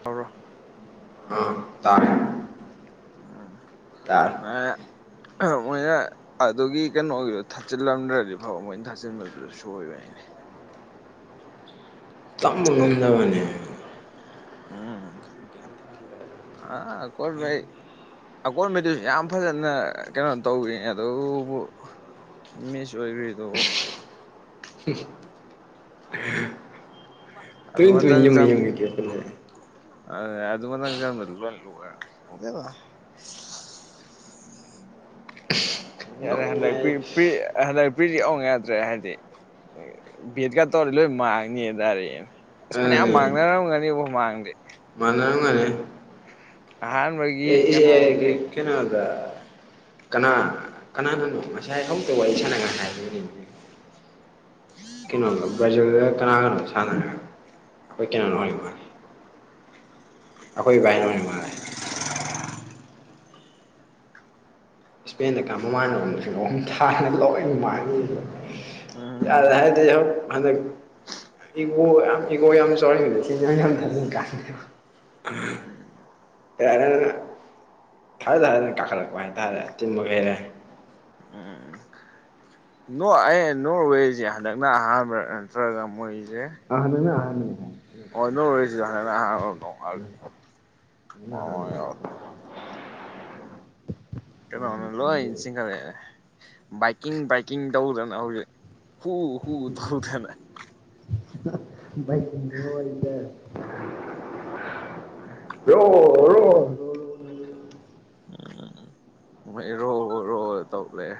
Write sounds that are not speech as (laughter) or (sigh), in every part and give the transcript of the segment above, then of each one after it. ꯇꯧꯔꯣ ꯑꯥ ꯇꯥꯔꯦ ꯇ (unintelligible) ꯃꯣꯏꯅ ꯑꯗꯨꯒꯤ ꯀꯩꯅꯣꯒꯤꯗꯣ ꯊꯥꯆꯤꯜꯂꯝꯗ꯭ꯔꯗꯤ ꯐꯕ ꯃꯣꯏꯅ ꯊꯥꯆꯤꯟꯕꯗꯨꯗ ꯁꯣꯏꯕ ꯍꯥꯏꯅꯦ ꯇꯝꯕ ꯉꯗꯕꯅꯤ ꯑꯥ ꯀꯣꯠ ꯥꯏ ꯑꯀꯣꯟꯕꯩꯗꯨꯁꯨ ꯌꯥꯝ ꯐꯖꯅ ꯀꯩꯅꯣ ꯇꯧꯏ ꯑꯗꯨꯕꯨ ꯃꯤꯁ ꯑꯣꯏꯕꯗꯨ ꯑ ꯃꯖ (unintelligible) ꯇꯨ ꯇꯨꯉ ꯌꯦꯉ ꯀꯌꯥꯦ ꯑ ꯑ ꯑꯗꯨꯃꯪ ꯂ ꯌꯥꯔꯦ ꯅꯣꯛꯅꯤꯡꯉꯦ ꯍꯟꯗꯛ ꯑꯩ ꯍꯟꯗꯛ ꯄ꯭ꯔꯤꯗꯤ ꯑꯣꯉꯗ꯭ꯔꯦ ꯍꯥꯏꯗꯤ ꯦꯗꯀꯥ ꯇꯧꯔ ꯂꯣꯏ ꯃꯥꯅꯤꯗꯥꯔꯦ ꯑꯁ ꯐꯅꯌꯥꯝ ꯃꯥꯡꯅꯔꯝꯒꯅꯤꯕ ꯃꯥꯡꯗꯦ ꯃꯅ ꯔꯝꯒꯅꯦ ꯑꯍꯟꯕꯩ ꯀꯩꯅꯣꯗ ꯀꯅꯥ ꯀꯅꯥꯅꯅꯣ ꯉꯁꯥꯏ ꯍꯧꯛꯇ ꯋꯥꯔꯤ ꯁꯥꯟꯅꯉꯥꯏ ꯍꯥꯏꯗꯅꯤ ꯀꯩꯅꯣꯒ ꯕ꯭ꯔꯥꯖꯤꯜꯗ ꯀꯅꯥ ꯀꯅꯣ ꯁꯥꯟꯅꯔꯦ ꯑꯩꯈꯣꯏ ꯀꯅꯥꯅꯣ ꯋꯥꯔꯤ ꯃꯥꯜꯂꯤ ꯑꯩꯈꯣꯏ ꯏꯕꯥꯥꯏꯅꯅꯦ ꯃꯥꯜꯂꯦ ꯏꯁꯄꯦꯟꯗ ꯀ ꯃꯃꯥꯟꯅꯕ ꯁꯤꯡꯒꯣ ꯑꯃ ꯊꯥꯅꯕ ꯂꯧꯔꯛꯏ ꯃꯃ ꯎꯝ ꯌꯥ ꯍꯥꯏꯗꯤꯍꯣ ꯍ ꯏ ꯏꯣ ꯁꯣ ꯌꯥꯔꯅ ꯊꯥꯏ ꯊꯔ ꯀꯥꯈꯠꯂꯛꯄ ꯍꯥꯏ ꯊꯥꯔꯦ ꯆꯤꯟꯕꯒꯩꯔꯦ ꯅ ꯑꯩ ꯅꯣꯔ ꯋꯦꯁꯦ ꯍꯟꯗꯛꯅ ꯑꯍꯥꯟꯕ ꯅꯠꯇ꯭ꯔꯒ ꯃꯣꯏ ꯑꯅ ꯑ ꯑꯣ ꯅꯔꯔꯤꯁꯤꯗ ꯍꯅ ꯑꯍꯥꯡ ꯅꯦ ꯅꯪꯅ ꯑꯍꯥꯟꯕꯅꯦ ꯌꯥ ꯀꯩꯅꯣꯅ ꯋꯥꯡꯅ ꯂꯣꯏ ꯈꯟꯗꯦ ꯆꯤꯡꯈꯠꯂꯛꯑꯦ ꯕꯥꯏꯛꯀꯤꯡ ꯕꯥꯏꯛꯀꯤꯡ ꯇꯧꯗꯅ ꯍꯧꯖꯤꯛ ꯍ ꯍ ꯊꯔꯨ ꯊꯅ ꯗ ꯔꯣ ꯔꯣ ꯎꯝ ꯃꯣꯏꯔꯣ ꯔꯣ ꯇꯧꯂꯦꯦ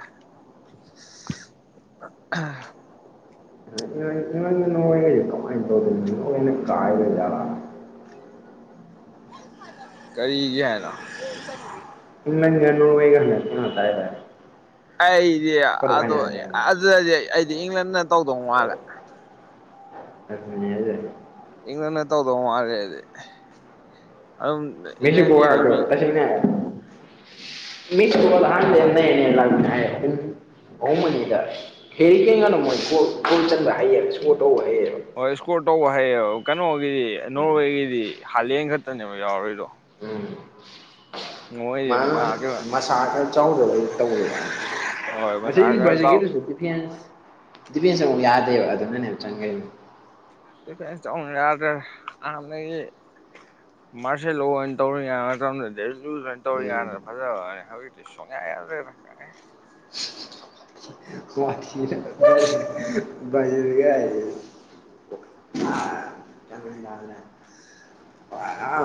ꯑ ꯀꯣ ꯑ ꯇꯣ ꯀꯥꯏ ꯌꯥ ꯀꯔꯤꯒꯦ ꯍꯥꯏꯅ ꯏꯅ ꯑꯣꯏꯩꯒ ꯇꯥꯏꯔꯦ ꯑꯩꯗꯤ ꯑꯗꯨ ꯑꯗꯨꯗꯗꯤ ꯑꯩꯗꯤ ꯏꯪꯂꯟꯅ ꯇꯧꯗꯧ ꯃꯥꯜꯂꯦ ꯑꯃꯤꯅꯤꯖꯔꯤ ꯑꯗꯨꯅ ꯇꯧꯗꯧ ꯃꯥꯜꯂꯦꯗꯤ ꯃꯤꯁꯨꯄꯣ ꯋꯥꯒ ꯇꯁꯅꯦ (inaudible) ꯃꯤ ꯇꯃ ꯂ ꯍꯥꯏ ꯅ ꯂ ꯍꯥꯏ ꯚꯧꯃꯅꯤꯗ ꯀꯦꯔꯤ ꯀꯔꯤꯉꯅꯣ ꯃꯣꯏ ꯀꯜ ꯆꯟꯕ ꯍꯩꯌꯦ ꯁꯣ ꯇꯧꯋꯦ ꯍꯣꯏ ꯏꯁꯀꯣꯔ ꯇꯧꯕ ꯍꯩꯌꯦꯕ ꯀꯩꯅꯣꯒꯤꯗꯤ ꯅꯣꯔꯋꯦꯒꯤꯗꯤ ꯍꯥꯂꯦꯟ ꯈꯛꯇꯅꯦꯕ ꯌꯥꯎꯔꯔꯤꯗꯣ ꯎꯝ ꯃꯣꯏꯗꯤ ꯃꯥ ꯀꯩꯅꯣ ꯃꯁꯥ ꯈꯔ ꯆꯥꯎꯗꯕꯩ ꯇꯧꯔꯤꯕ ꯋꯥꯅꯤ ꯍꯣꯏ ꯃꯁꯥ ꯑꯁꯦ ꯈꯔ ꯆꯥꯎ ꯁꯦꯒꯦꯗꯁꯨ ꯐꯤ ꯗꯤꯄꯦꯟꯁ ꯑꯃꯨꯛ ꯌꯥꯗꯦꯕ ꯑꯗꯨꯅꯅꯦꯕ ꯆꯪꯈꯩ ꯐ ꯌꯥꯗ ꯑꯅ ꯃꯥꯁ ꯂꯩꯅ ꯇꯧꯔ ꯌꯨ ꯇꯧꯔꯤ ꯎꯝ ꯀꯥꯟꯗ ꯐꯖꯕꯩ ꯋꯥꯅꯦ ꯍꯧꯖꯤꯛꯇ ꯁꯣꯡꯌꯥ ꯌꯥꯗ꯭ꯔꯦ (inaudible) ꯀꯊꯤ ꯖꯔꯒꯦ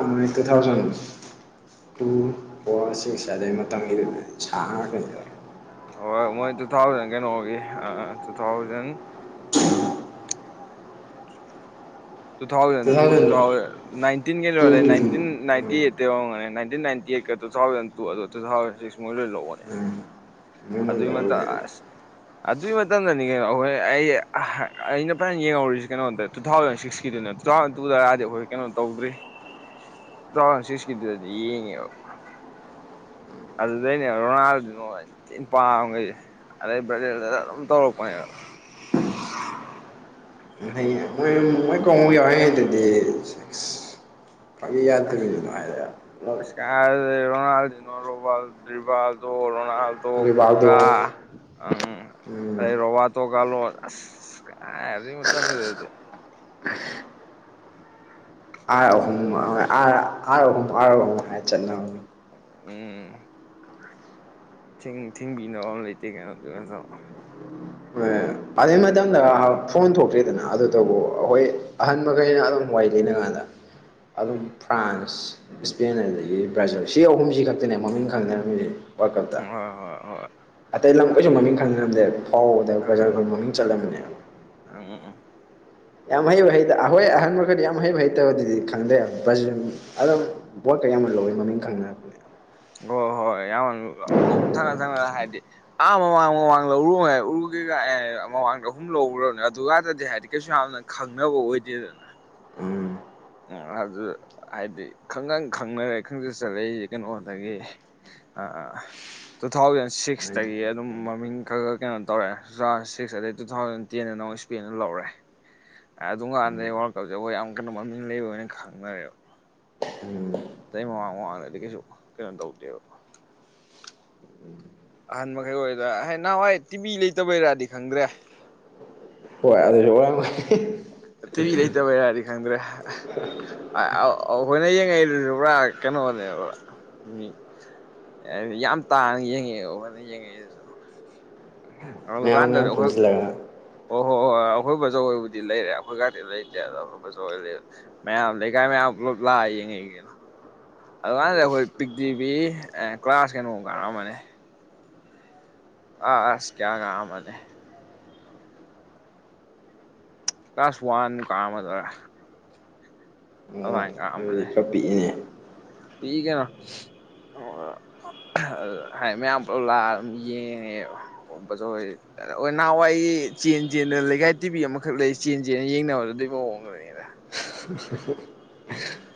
(inaudible) ꯃꯛꯇ ꯊꯥꯎꯁ (inaudible) ꯇꯨ ꯐꯣꯔꯁꯤꯡꯁꯦ ꯑꯗꯩ ꯃꯇꯝꯒꯤꯗ ꯁꯥꯥꯡ ꯀꯩꯗꯣ ꯍꯣꯏ ꯃꯣꯏ ꯇꯨ ꯊꯥꯎꯖꯟ ꯀꯩꯅꯣꯒꯤ ꯑ two thousand two thousand two two thousand nineteen ꯀꯩꯅꯣ ꯇꯨꯗꯨꯁꯨ ꯅꯥꯏꯇꯤꯟ ꯅꯥꯏꯟꯇꯤ ꯎꯝ ꯑꯩꯠꯇ ꯌꯧꯔꯝꯒꯅꯤ ꯅꯥꯏꯟꯇ ꯑꯩꯠꯠꯇ ꯇꯨ ꯊꯥꯎꯖꯟ ꯇꯨ ꯑꯗꯨ ꯇꯨ ꯊꯥꯎꯖꯟ ꯁꯤꯛꯁ ꯃꯣꯏ ꯂꯣꯏ ꯂꯧꯕꯅꯦ ꯎꯝ ꯃꯣꯏꯅ ꯑꯗꯨꯢ ꯃꯇꯝ ꯂꯧꯔꯤꯅꯦ ꯑꯗꯨꯒꯤ ꯃꯇꯝꯗꯅꯤ ꯀꯩꯅꯣ ꯍꯣꯏ ꯑꯩ ꯑꯩꯅ ꯐꯖꯅ ꯌꯦꯡꯍꯧꯔꯤꯁꯤ ꯀꯩꯅꯣꯗ ꯇꯨ ꯊꯥꯎꯖꯟ ꯁꯤꯛꯁꯀꯤ ꯇꯨ ꯊꯥꯎꯟ ꯇꯨꯗ ꯍꯥꯏꯗꯤ ꯑꯩꯈꯣꯏ ꯀꯩꯅꯣ ꯇꯧꯗ꯭ꯔꯤ ꯇ ꯁꯤꯁ ꯀꯗꯨꯗꯤ ꯌꯦꯡꯌꯦꯕ ꯑꯗꯨꯗꯩꯅꯦ ꯔꯣꯅꯥꯜꯗꯨ ꯊꯤꯅ ꯄꯥꯝꯈꯔꯤꯁꯦ ꯑꯗꯩ ꯕꯔꯖꯤꯟꯗ ꯑꯗꯨꯝ ꯇꯧꯔꯛꯄꯅꯦ ꯃꯣꯢ ꯀꯪꯕꯨ ꯌꯥꯎꯔꯤꯉꯩꯗꯗꯤ ꯀꯉ ꯌꯥꯇꯉꯔ (inaudible) ꯔꯣꯅꯥꯜꯣ ꯔꯣꯕꯥ ꯗꯔꯤꯕ (inaudible) ꯂꯣꯅꯥꯜꯗꯣ ꯔꯤꯕꯥꯜꯗꯣ ꯀꯀꯥ ꯎꯝ ꯎꯝ ꯑꯩ ꯔꯣꯕꯥꯇꯣ ꯀꯥꯜꯂꯣ ꯑꯁ ꯀꯥꯏꯒꯤ ꯃꯇꯝꯗꯨꯗꯗꯤ ꯑꯥꯔ ꯑꯍꯨꯝ ꯑꯗꯨ ꯑꯥ ꯑꯥꯔ ꯑꯍꯨꯝ ꯑꯥꯔ ꯑꯍꯨꯝ ꯍꯥꯏ ꯆꯠ ꯎꯝ ꯊꯤꯡꯕꯤꯅꯕ ꯑꯃ ꯂꯩꯇꯦ ꯀꯩꯅꯣꯗꯨ ꯑꯗꯩ ꯃꯇꯝꯗ ꯐꯣꯟ ꯊꯣꯛꯇ꯭ꯔꯤꯗꯅ ꯑꯗꯨꯇꯕꯨ ꯑꯩꯈꯣꯏ ꯑꯍꯟꯕꯈꯩꯅ ꯑꯗꯨꯝ ꯋꯥꯏ ꯂꯤꯅꯩꯉꯥꯏ ꯑꯥ ꯑꯗꯨꯝ ꯐ꯭ꯔꯥꯟꯁ ꯏꯁꯄꯦꯟ ꯑꯗꯨꯗꯒꯤ ꯕ꯭ꯔꯥꯖꯤꯜ ꯁꯤ ꯑꯍꯨꯝꯁꯤ ꯈꯛꯇꯅꯦ ꯃꯃꯤꯡ ꯈꯪꯅꯂꯝꯃꯤꯁꯦ ꯋꯥꯔꯜ ꯀꯞꯇ ꯍꯣꯏ ꯍꯣꯏ ꯑꯇꯩ ꯂꯝꯈꯣꯏꯁꯨ ꯃꯃꯤꯡ ꯈꯪꯅꯔꯝꯗꯦ ꯐꯧ ꯕꯔꯖꯤꯟ ꯃꯃꯤꯡ ꯆꯠꯂꯝꯕꯅꯦ ꯑꯝ ꯌꯥꯝ ꯍꯩꯕ ꯍꯩꯇꯦ ꯑꯩꯍꯣꯏ ꯑꯍꯟ ꯃꯈ ꯈꯔꯗꯤ ꯌꯥꯝ ꯍꯩꯕ ꯍꯩꯇꯕꯗꯨꯗꯤ ꯈꯪꯗꯦꯝ ꯕꯔꯖꯤꯟ ꯌꯥꯝ ꯂꯧꯕꯩ ꯃꯃꯤꯡ ꯈꯪꯅꯔꯅꯦ ꯍꯣꯏ ꯍꯣꯏ ꯍꯣꯏ ꯌꯥꯝ ꯑꯍꯨꯝ ꯊꯪꯅ ꯊꯪꯅ ꯍꯥꯏꯗꯤ ꯑꯥ ꯃꯃꯥꯡꯃꯥꯡꯗ ꯃꯃꯥꯡꯗ ꯑꯍꯨꯝ ꯂꯧꯈꯔꯕꯅꯤ ꯑꯗꯨꯗꯗꯤ ꯍꯥꯏꯗꯤ ꯀꯩꯁꯨ ꯌꯥꯝꯅ ꯈꯪꯅꯕ ꯑꯣꯏꯗꯦꯗꯅ (inaudible) ꯎꯝ ꯎ ꯑꯗꯨ ꯍꯥꯏꯗꯤ ꯈꯪꯒꯪ ꯈꯪꯅꯔꯦ ꯈꯪꯁꯤ ꯆꯠꯂꯛꯏꯁ ꯀꯩꯅꯣꯗꯒꯤ ꯑ ꯑ ꯇꯨ ꯊꯥꯎꯖꯟ ꯃꯥꯏꯗꯤ ꯁꯤꯛꯁꯇꯒꯤ ꯑꯗꯨꯝ ꯃꯃꯤꯡ ꯈꯔ ꯈ ꯀꯩꯅꯣ ꯇꯧꯔꯛꯑꯦ ꯁꯤꯛꯁ ꯑꯗꯩ ꯇꯨ ꯊꯥꯎꯖꯟ ꯇꯦꯟꯗꯅ ꯁꯄꯦꯏꯟ ꯅꯥ ꯂꯥꯎꯔꯦ ꯑꯥꯗꯨꯀꯟꯗꯗꯤ ꯃꯃꯤꯡ ꯌꯥꯝ ꯂꯩꯕꯣ ꯈꯪꯔꯣ ꯎꯝ (inaudible) ꯑꯇꯩ ꯃꯃꯥꯡ ꯃꯃꯥꯡꯗꯗꯤ ꯀꯩꯁꯨ ꯀꯩꯅꯣ ꯇꯧꯗꯦꯕ ꯑꯍꯟ ꯃꯈꯩ ꯑꯣꯏꯔ ꯑꯦꯍ ꯅꯍꯥꯟꯋꯥꯏ ꯇꯤꯃꯤ ꯂꯩꯇꯕꯩꯔꯗꯤ ꯈꯪꯗ꯭ꯔꯦ ꯍꯣꯏ ꯑꯗꯨꯁꯨ ꯑꯣꯢꯔꯝꯒꯅꯤ ꯇꯤꯚꯤ ꯂꯩꯇꯕꯩꯔꯗꯤ ꯈꯪꯗ꯭ꯔꯦ ꯑꯩꯈꯣꯏꯅ ꯌꯦꯡꯉꯛꯏꯗꯨꯁꯨ ꯄꯨꯔꯥ ꯀꯩꯅꯣꯅꯦꯕꯥ ꯃꯤ ꯌꯥꯝ ꯇꯥꯡꯅ ꯌꯦꯡꯉꯛꯑꯦꯕ ꯑꯩꯈꯣꯢꯅ ꯌꯦꯡꯉꯛꯢꯗꯨꯁꯨ ꯃꯌꯥꯝ ꯑꯗꯨꯀꯥꯟꯗꯗꯤ ꯃꯌꯥꯝ ꯑꯩꯈꯣꯏ ꯄꯨꯟꯁꯤꯜꯂꯒ ꯑꯣ ꯍꯣꯏ ꯍꯣꯏ ꯑꯩꯈꯣꯏ ꯕꯥꯆꯧꯍꯣꯢꯕꯨꯗꯤ ꯂꯩꯔꯦ ꯑꯩꯈꯣꯏꯒꯥꯛꯇꯤ ꯂꯩꯇꯦ ꯑꯗꯣ ꯑꯩꯈꯣꯏ ꯕꯥꯆꯧꯍꯣꯢ ꯂꯩꯔ ꯃꯌꯥꯝ ꯂꯩꯀꯥꯏ ꯃꯌꯥꯝ ꯄꯨꯂꯞ ꯂꯥꯛꯑ ꯌꯦꯡꯉꯛꯢꯒꯦꯗꯣ ꯑꯗꯨꯀꯥꯟꯗꯤ ꯑꯩꯈꯣꯏ ꯄꯤꯛꯇꯤ ꯄꯤꯛꯢ ꯀ꯭ꯂꯥꯁ ꯀꯩꯅꯣ ꯀꯥꯔꯝꯃꯅꯤ ꯑꯁ ꯀꯌꯥ ꯀꯔꯝꯃꯅꯤ ꯀ꯭ꯂꯥꯁ ꯋꯥꯟ ꯀꯥꯔꯝꯃꯗꯣꯔꯥ ꯑꯣ ꯑꯗꯨꯃꯥꯢ ꯑꯗꯨꯗꯤ ꯈꯔ ꯄꯤꯛꯌꯦ ꯄꯀꯦꯅ ꯑꯣ (inaudible) ꯍꯥꯏ ꯃꯌꯥꯝ ꯄꯨ ꯂꯛ ꯑꯗꯨꯝ ꯌꯦꯡꯉꯦꯅꯦ ꯅꯍꯥꯟꯋꯥꯏ ꯆꯦꯟ ꯆꯦꯟꯅ ꯂꯩꯀꯥꯏ ꯇꯤꯚꯕꯤ ꯑꯃꯈꯛ ꯂꯩ ꯆꯦꯟ ꯆꯦꯟꯅ ꯌꯦꯡꯅꯕꯗ ꯑꯗꯨꯏ ꯃꯑꯣꯡꯗꯨꯅꯤꯗ ꯁ ꯁꯁꯦ (inaudible) ꯎꯝ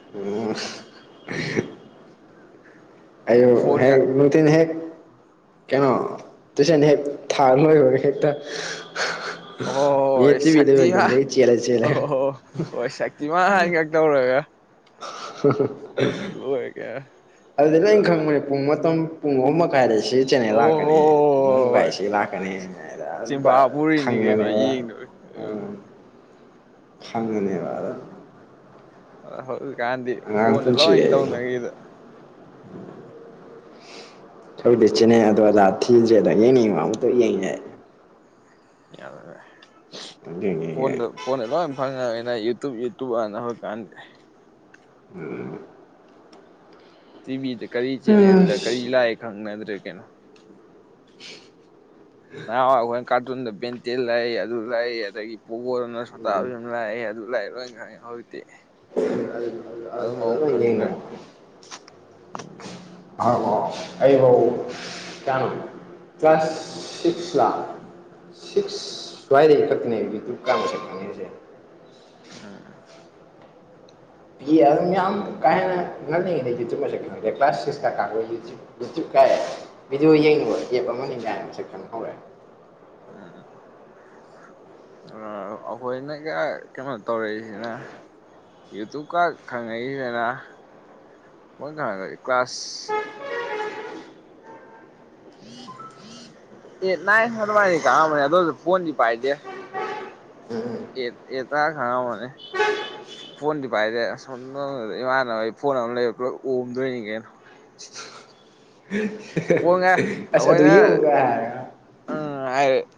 ꯑꯣ ꯍꯦ ꯐꯣꯟꯒ ꯃꯇꯤꯟ ꯍꯦꯛ (inaudible) ꯇꯨꯏꯁꯤꯟ ꯊꯥ ꯍꯦꯛ ꯂꯣꯢꯕꯒꯥ ꯑꯗꯨꯝ ꯃꯤ ꯑꯣꯍꯣꯏ ꯇꯤꯚꯤ ꯂꯩꯕ ꯁꯛꯇꯤꯃꯥꯟ ꯌꯨꯝꯗꯩ ꯆꯦꯜꯂꯥ ꯆꯦꯜꯂꯥ ꯏꯃꯥꯟ ꯍꯥꯟꯒꯥꯡ ꯇꯧꯔꯒ ꯂꯣꯏꯔꯦ ꯀꯩꯅꯣ ꯑꯗꯨꯗꯤ ꯂꯣꯏ ꯈꯪꯕꯅꯦ ꯄꯨꯡ ꯃꯇꯝ ꯄꯨꯡ ꯑꯍꯨꯝ ꯃꯈꯥꯏꯗ ꯁꯤ ꯆꯦꯅꯦꯜ ꯑꯣ ꯍꯣ ꯂꯥꯛꯀꯅꯤ ꯄꯨꯡ ꯑꯍꯨꯝ ꯍꯣꯏ ꯃꯈꯤꯢꯗ ꯁꯤ ꯂꯥꯛꯀꯅꯤ ꯍꯥꯏꯗ ꯑꯗꯨꯝ ꯈꯪꯕꯅꯦꯕ ꯎꯝ ꯐꯪꯉꯅꯦꯕ ꯑ ꯍꯧꯖꯤꯛꯀꯥꯟꯗꯤ ꯐꯣꯟꯗ ꯂꯣꯏꯅ ꯍꯥꯏꯗꯤ ꯇꯧꯅꯈꯤꯗ ꯍꯧꯇꯤ ꯆꯦꯅꯦꯜ ꯑꯗꯨ ꯑꯗ ꯊꯤꯗ꯭ꯔꯦꯗ ꯌꯦꯡꯅꯤꯡꯕ ꯑꯃ ꯇꯣꯛ ꯌꯦꯡ ꯌꯥꯢ ꯌꯦꯡ (unintelligible) ꯌꯦꯡ ꯌꯦꯡ ꯐꯣꯟꯗ ꯐꯣꯟꯗ ꯂꯣꯢꯝ ꯐꯪꯉꯝꯅꯤꯅ ꯌꯨꯇꯨꯕ ꯌꯨꯇꯨꯕ ꯑꯅ ꯍꯧꯀꯥꯟꯗꯤ ꯎꯝ ꯇꯤꯚꯤꯗ ꯀꯔꯤ ꯆꯦꯅꯦꯜꯗ ꯀꯔꯤ ꯂꯥꯛꯑ ꯈꯪꯅꯗ꯭ꯔꯦ ꯀꯩꯅꯣ ꯅꯥꯍꯟꯋꯥꯢ ꯑꯩꯈꯣꯏꯅ ꯀꯥꯔꯇꯨꯟꯗ ꯕꯦꯟꯇꯦꯟ ꯂꯥꯛꯢ ꯑꯗꯨ ꯂꯥꯛꯢ ꯑꯗꯩ ꯄꯣꯒꯣꯗꯅ ꯁꯣꯇꯥꯕꯤꯝ ꯂꯥꯛꯢ ꯑꯗꯨ ꯂꯥꯛꯢ ꯂꯣꯏ ꯈꯪꯢ ꯍꯧꯖꯤꯛꯇꯤ ꯑꯗꯨꯝ ꯑꯗꯨꯗ ꯑꯃꯨꯛ ꯂꯣꯢ ꯈꯪꯗ꯭ꯔꯦ ꯌꯦꯡꯅꯔꯝꯃꯤ ꯑꯗꯨꯐꯥꯎ ꯑꯩꯐꯥꯎ ꯀꯌꯥꯅꯣ ꯀ꯭ꯂꯥꯁ ꯁꯤꯛꯁ ꯂꯥ ꯁꯤꯛꯁ ꯁ꯭ꯋꯥꯏꯗꯩ ꯈꯛꯇꯅꯦ ꯌꯨꯇꯨꯕ ꯀꯥꯡ ꯃꯁꯛ ꯈꯪꯢꯁꯤ ꯎꯝ ꯃꯤ ꯑꯗꯨꯝ ꯌꯥꯝ ꯀꯥ ꯍꯦꯟꯅ ꯉꯜꯂꯤꯉꯩꯗꯩꯩ ꯌꯨꯇꯨꯕ ꯃꯁꯛ ꯈꯪꯗꯦ ꯀ꯭ꯂꯥꯁ ꯁꯤꯛꯁ ꯀꯥꯡ ꯀꯥꯔꯛꯄꯗꯩ ꯌꯨꯇꯨꯕ ꯌꯨꯇꯨꯕ ꯀꯥꯏ ꯚꯗꯤꯑꯣ ꯌꯦꯡꯅꯤꯡꯕ ꯑꯦꯞ ꯑꯃꯅꯤ ꯀꯥꯏꯅ ꯃꯁꯛ ꯈꯪꯍꯧꯔꯛꯑꯦ ꯎꯝ ꯑꯩꯈꯣꯏꯅꯒ ꯀꯩꯅꯣ ꯇꯧꯔꯛꯏꯁꯤꯅ ꯌꯨꯇꯨꯕꯀꯥꯡ ꯈꯪꯉꯛꯏꯁꯤꯅ ꯑꯈꯣꯏ ꯈꯪꯉꯛꯄ ꯀ꯭ꯂꯥꯁ ꯑꯦꯠ ꯅꯥꯏꯟ ꯑꯗꯨꯃꯥꯏꯅ ꯀꯥꯔꯝꯃꯅꯤ ꯑꯗꯨꯁꯨ ꯐꯣꯟꯗꯤ ꯄꯥꯏꯗꯦ ꯎꯝ ꯑꯦꯠ ꯑꯦꯠ ꯇꯥꯡ ꯈꯪꯉꯝꯃꯅꯤ ꯐꯣꯟꯗꯤ ꯄꯥꯏꯗꯦ (unintelligible) ꯏꯃꯥꯟꯅꯕꯩ ꯐꯣꯟ ꯑꯃ ꯂꯩꯕ ꯄꯨꯂꯞ ꯑꯣꯝꯗꯣꯏꯅꯤ ꯀꯩꯅꯣ (unintelligible) ꯐꯣꯟꯒ ꯑꯁ ꯑꯗꯨ ꯌꯦꯡꯉꯨ ꯀꯥꯡ ꯍꯥꯏꯔꯒ ꯑꯥ ꯍꯥꯏꯔꯛ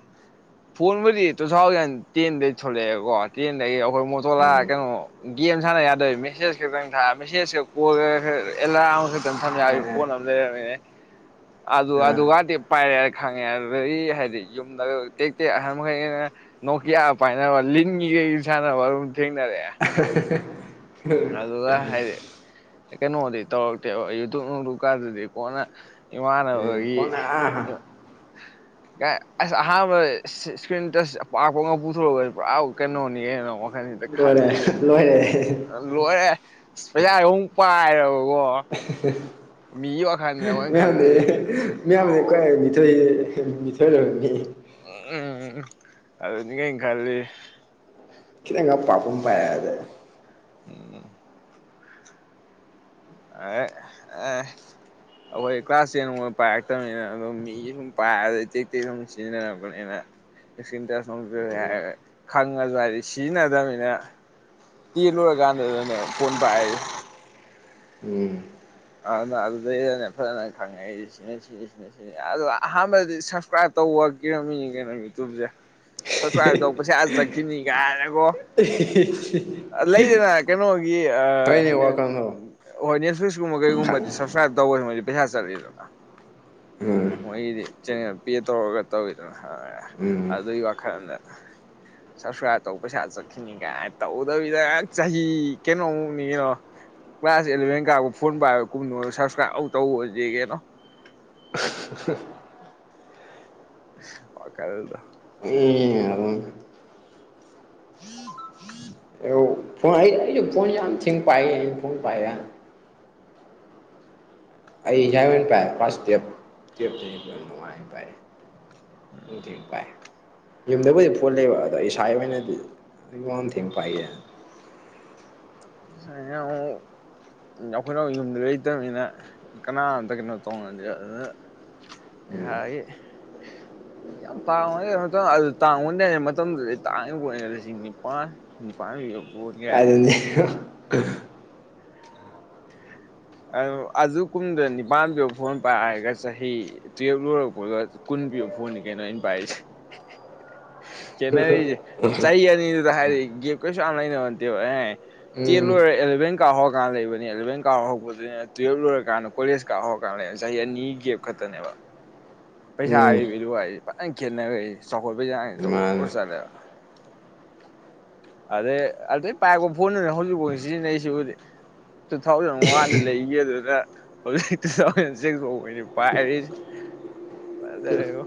ꯐꯣꯟꯕꯨꯗꯤ ꯇꯨ ꯊꯥꯎꯖꯟ ꯇꯦꯟꯗꯩ ꯊꯣꯛꯂꯛꯑꯦꯕꯀꯣ ꯇꯦꯟꯗꯒꯤ ꯑꯩꯈꯣꯏ ꯃꯣꯇꯣꯔꯂꯥ ꯎꯝ ꯀꯩꯅꯣ ꯒꯦꯝ ꯁꯥꯟꯅ ꯌꯥꯗꯣꯏ ꯃꯦꯁꯦꯖ ꯈꯛꯇꯪ ꯊꯥ ꯃꯦꯁꯦꯖꯀ ꯀꯣꯜ ꯑꯦꯂꯥꯝ ꯈꯛꯇꯪ ꯊꯝ ꯑ ꯌꯥꯕꯤ ꯑ ꯐꯣꯟ ꯑꯃ ꯂꯩꯔꯝ ꯑꯗꯩ ꯑꯗꯨ ꯑ ꯑꯗꯨꯒꯗꯤ ꯄꯥꯏꯔꯦ ꯈꯪꯉꯦ ꯑꯗꯨꯗꯩ ꯍꯥꯏꯗꯤ ꯌꯨꯝꯗ ꯇꯦꯛ ꯇꯦꯛ ꯑꯍꯟ ꯃꯈꯩꯩꯅ ꯅꯣꯀꯤꯌꯥ ꯄꯥꯏꯅꯕ ꯂꯤꯟꯒꯤ ꯀꯩꯩ ꯀꯩ ꯁꯥꯟꯅꯕ ꯑꯗꯨꯝ ꯊꯦꯡꯅꯔꯛꯑꯦ ꯑꯥ ꯍꯥ ꯍꯥ ꯍꯥ ꯑꯗꯨꯒ ꯍꯥꯢꯗꯤ ꯀꯩꯅꯣꯗꯤ ꯇꯧꯔꯛꯇꯦꯕ ꯌꯨꯇꯨꯞ ꯅꯨꯣꯡꯗꯨꯨꯞꯀꯥꯡꯗꯨꯗꯤ ꯀꯣꯟꯅ ꯎꯝ ꯏꯃꯥꯟꯅꯕꯒꯤ ꯀꯣꯟꯅ ꯢ ꯑꯥ (unintelligible) ꯀꯥꯢ ꯑꯁ ꯑꯍꯥꯟꯕꯗ ꯏꯁꯀ꯭ꯔꯤꯟꯇꯁ ꯑꯄꯥꯛꯄꯒꯥꯡ ꯄꯨꯊꯣꯔꯛꯂꯛꯄꯁꯤ ꯄꯨꯔꯥ ꯀꯩꯅꯣꯅꯤ ꯀꯩꯅꯣ ꯋꯥꯈꯜꯁꯤꯗ ꯂꯣꯏꯔꯦ ꯈꯜꯂꯤꯁꯦ ꯂꯣꯏꯔꯦ ꯂꯣꯏꯔꯦ ꯄꯩꯖꯥ ꯌꯣꯡ ꯄꯥꯏꯔꯕꯀꯣ ꯃꯤ (unintelligible) ꯃꯌꯥꯝꯗꯤ ꯃꯌꯥꯝꯗꯤ ꯀ꯭ꯋꯥꯏꯊꯣꯏ ꯃꯤꯊꯣꯏꯔꯝꯃꯤ ꯎꯝ ꯑꯗꯨꯗꯤ ꯀꯩꯅ ꯈꯜꯂꯤ (inaudible) ꯈꯤꯇꯪꯀꯥ ꯑꯄꯛꯄ ꯑꯃꯥ ꯄꯥꯏꯔꯒꯥ ꯑ ꯑ ꯑꯩꯈꯣꯏ ꯀ꯭ꯂꯥꯁ ꯐꯥꯎ ꯄꯥꯏꯔꯛꯇꯕꯅꯤꯅ ꯑꯗꯨꯝ ꯃꯤꯒꯤ ꯁꯨꯝ ꯄꯥꯏꯑꯛꯇꯦꯛ ꯁꯨꯝ ꯁꯤꯟꯅꯔꯛꯄꯅꯤꯅ ꯁꯀꯤꯜ ꯇꯣꯏꯆ ꯍꯥꯏꯗꯤ ꯁꯤꯖꯤꯟꯅꯗꯅꯤꯅ ꯇꯤꯜ ꯂꯣꯏꯨꯔꯀꯥꯟꯗꯅꯦ ꯐꯣꯟ ꯄꯥꯏꯔꯤꯁꯤ ꯎꯝ ꯑꯗꯨ ꯑꯗꯨꯗꯩꯗꯅꯦ ꯐꯖꯅ ꯈꯪꯉꯛꯏ ꯁꯤ ꯁꯤ ꯁꯤꯅꯤ ꯑꯍꯥꯟꯕꯗꯤ ꯁꯞꯁꯀ꯭ꯔꯥꯏꯞ ꯇꯧꯕꯔ ꯀꯤꯔꯝꯃꯤꯅꯤ ꯀꯩꯅꯣ ꯌꯨꯇꯨꯞ ꯁꯦ ꯁꯥꯞꯒꯂꯥꯞ ꯇꯧꯕ ꯄꯩꯁꯥ ꯆꯪꯈꯤꯅꯤ ꯀꯥꯏ ꯕꯣ ꯂꯩꯗꯅ ꯀꯩꯅꯣꯒꯤ ꯍ ꯍꯣꯏꯅꯦ ꯋꯥꯈꯜꯗꯣ ꯀꯩꯒꯨꯝꯕ ꯈꯪ ꯁꯕꯁꯀ꯭ꯔꯥꯏꯕ ꯇꯧꯕ ꯄꯩꯁꯥ ꯆꯠꯂꯤꯗꯅ ꯎꯝ ꯃꯣꯏꯒꯤꯗꯤ ꯆꯟꯅꯦꯜ ꯄꯦ ꯇꯧꯔꯛꯒ ꯇꯧꯋꯤꯗꯅ ꯎꯝ ꯑꯗꯨꯒꯤ ꯋꯥꯈꯜꯗ ꯁꯕꯁꯀ꯭ꯔꯥꯏꯕ ꯇꯧ ꯄꯩꯁꯥ ꯆꯠꯈꯤꯅꯤ ꯀꯥꯏ ꯇꯧꯗꯕꯤꯗ ꯆꯍꯤ ꯀꯩꯅꯣꯃꯨꯛꯅꯤ ꯀꯩꯅꯣꯃꯨꯛ ꯀ꯭ꯂꯥꯁ ꯑꯦꯂꯚꯦꯟ ꯀꯥꯕ ꯐꯣꯟ ꯄꯥꯏꯔ ꯀꯨꯝꯗ ꯁꯕꯁꯀ꯭ꯔꯥꯏꯕ ꯇꯧꯗꯦ ꯀꯩꯅꯣ ꯁꯁꯤ (inaudible) ꯋꯈꯜꯗꯣ ꯑꯗꯨꯝ ꯎꯝ ꯎꯝ (unintelligible) ꯐꯣꯟ ꯑꯩ ꯑꯩꯁꯨ ꯐꯣꯟ ꯌꯥꯝ ꯊꯤꯡ ꯄꯥꯏ ꯑꯩ ꯐꯣꯟ ꯄꯥꯏ ꯑꯩ ꯍ ꯑꯣꯏꯅ ꯄꯥꯏ ꯐꯥꯔꯁ ꯇꯦꯞ ꯇꯦꯞꯇ ꯅꯨꯡꯉꯥꯏꯅ ꯄꯥꯏ (inaudible) ꯥꯑꯗꯥꯢ ꯄꯥꯏ ꯌꯨꯝꯗꯕꯨꯗꯤ ꯐꯣꯜ ꯂꯩꯕꯥ ꯑꯗꯣ ꯏꯁꯥꯒꯤ ꯑꯣꯏꯅꯗꯤ ꯑꯗꯨ ꯌꯣꯡ ꯋꯥꯝ ꯊꯦꯡ ꯄꯥꯏꯒꯤ ꯁ (unintelligible) ꯑꯩꯈꯣꯏꯅ ꯌꯨꯝꯗ ꯂꯩꯇꯕꯅꯤꯅ ꯀꯅꯥꯝꯇ ꯀꯩꯅꯣ ꯇꯣꯡꯅꯗꯤ ꯑꯗꯨꯅ ꯎꯝ ꯏꯁꯥꯒꯤ ꯌꯥꯝ ꯇꯥꯡꯕ ꯅꯥꯇꯦꯗ ꯑꯗꯨ ꯇꯥꯡꯉꯤ ꯃꯇꯝꯗꯨꯗꯗꯤ ꯑꯩ ꯇꯥꯡꯉ ꯂꯤꯁꯤꯡ ꯅꯤꯄꯥꯟ ꯅꯤꯄꯥꯟ ꯄꯤꯕ ꯐꯣꯟ ꯀꯥꯏ ꯑꯗꯨꯅꯤ ꯑꯗꯨ ꯀꯨꯝꯗ ꯅꯤꯄꯥꯟ ꯄꯤꯕ ꯐꯣꯟ ꯄꯥꯏꯔꯒ ꯆꯍꯤ ꯇꯨꯌꯦꯜꯕ ꯂꯣꯏꯔꯛꯄꯗ ꯀꯨꯜ ꯀꯨꯜ ꯄꯤꯕꯥ ꯐꯣꯟꯅꯤ ꯀꯩꯅꯣ ꯑꯩꯅꯥ ꯄꯥꯏꯔꯛꯢꯁꯤ ꯈꯦꯠꯅꯔꯤꯁꯦ ꯆꯍꯤ ꯑꯅꯤꯗꯨꯗ ꯍꯥꯏꯔꯤ ꯒꯦꯞ ꯀꯩꯁꯨ ꯌꯥꯝ ꯂꯩꯅꯕꯇꯦꯕ ꯑꯦ ꯆꯦꯜ ꯎꯝ ꯂꯣꯏꯔꯦ ꯑꯦꯂꯚꯦꯟ ꯀꯥꯔ ꯍꯧꯔꯀꯥꯟꯗ ꯂꯩꯕꯅꯦ ꯑꯦꯂꯚꯦꯟ ꯀꯥ ꯍꯧꯕꯁꯦ ꯇꯨꯌꯦꯜꯕ ꯂꯣꯏꯔꯀꯥꯟꯗ ꯀꯣꯂꯦꯖ ꯀꯥꯞ ꯍꯧꯔꯀꯥꯟꯗꯅꯦ ꯆꯍꯤ ꯑꯅꯤ ꯒꯦꯞ ꯈꯛꯇꯅꯦꯕ ꯄꯩꯁꯥ ꯎꯝ ꯒꯤ ꯕꯦꯂꯨ ꯍꯥꯏꯁꯤ꯫ ꯐꯖꯅꯥ ꯈꯦꯠꯅꯔꯦ ꯆꯥꯎꯈꯥꯠꯄꯩ ꯆꯥꯡꯁꯤ ꯖꯦ ꯃꯥꯅꯦ ꯆꯠꯂꯤ ꯑꯗꯩ ꯑꯗꯩ ꯄꯥꯏꯄ ꯐꯣꯟꯗꯨꯅꯦ ꯍꯧꯖꯤꯛꯐꯥꯎ ꯁꯤꯖꯤꯟꯅꯩꯁꯤꯕꯨꯗꯤ ꯇꯨ ꯊꯥꯎꯖꯟ ꯋꯥꯟꯗ ꯂꯩꯒꯦ ꯑꯗꯨꯅ ꯍꯧꯖꯤꯛ ꯇꯨ ꯊꯥꯎꯖꯟ ꯁꯤꯛꯁ ꯐꯥꯎꯕꯅꯤ ꯄꯥꯏꯔꯤꯁꯤ ꯐꯖꯔꯦ ꯉꯣ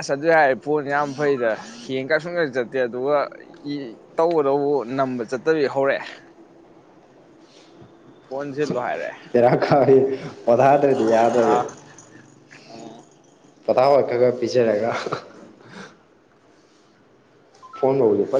ꯑꯁ ꯑꯗꯨ ꯍꯥꯢꯔꯗꯤ ꯐꯣꯟ ꯌꯥꯝ ꯐꯔꯤꯗ ꯍꯦꯡꯀ ꯁꯨꯡꯆꯥꯠ ꯆꯠꯇꯦ ꯑꯗꯨꯒ ꯅꯝꯕ ꯆꯠꯇꯕꯤ ꯍꯧꯔꯛꯑꯦ ꯐꯣꯜ ꯁꯤ ꯕꯦꯔꯥ ꯀꯔꯦ ꯄꯣꯊꯗꯔ꯭ꯗꯤ ꯌꯥꯗꯕꯤ ꯑꯣ ꯄꯊꯥꯋꯥ ꯗꯈ ꯄꯤꯖꯔꯒ ꯐꯣꯟ ꯐꯕꯂꯤ ꯄ